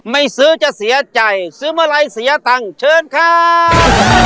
ไม่ซื้อจะเสียใจซื้อเมื่อไหร่เสียตังค์เชิญครับ